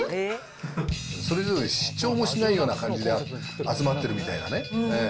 それぞれ主張もしないような感じで集まってるみたいなね。